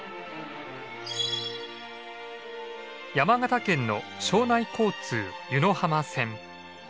山形県の庄内交通湯野浜線。